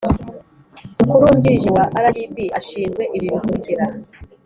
Umukuru wungirije wa rgb ashinzwe ibi bikurikira